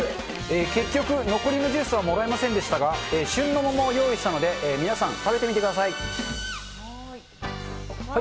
結局、残りのジュースはもらえませんでしたが、旬の桃を用意したので、皆さん、食べてみてください。